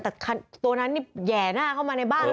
แต่ตัวนั้นนี่แห่หน้าเข้ามาในบ้านเลย